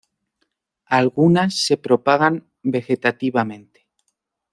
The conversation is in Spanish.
Algunas se propagan vegetativamente.